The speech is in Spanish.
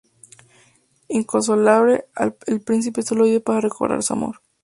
Inconsolable, el príncipe solo vive para recordar su amor.